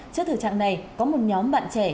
trước thời trạng này có một nhóm bạn trẻ